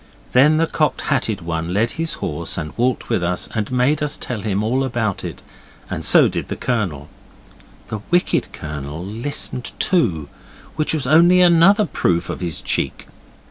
Then the Cocked Hatted One led his horse and walked with us and made us tell him all about it, and so did the Colonel. The wicked Colonel listened too, which was only another proof of his cheek.